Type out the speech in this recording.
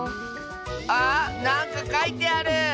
あなんかかいてある！